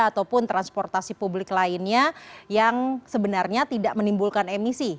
ataupun transportasi publik lainnya yang sebenarnya tidak menimbulkan emisi